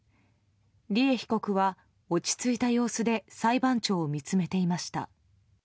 利恵被告は落ち着いた様子で裁判長を見つめていました。